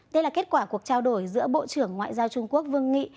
đây là kết quả cuộc trao đổi giữa bộ trưởng ngoại giao trung quốc vương nghị